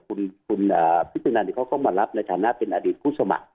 คุณพิษุนาฬิก็มารับในชาติเป็นอดีตผู้สมัคร